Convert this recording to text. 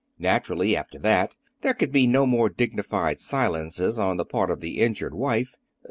Naturally, after that, there could be no more dignified silences on the part of the injured wife.